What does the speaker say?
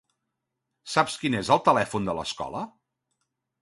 Saps quin és el telèfon de l'escola?